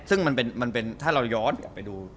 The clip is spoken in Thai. ซึ่งมันเป็นถ้าเราย้อนกลับไปดู